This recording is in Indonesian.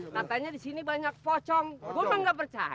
katanya di sini banyak pocong gue gak percaya